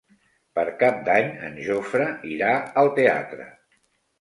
Per Cap d'Any en Jofre irà al teatre.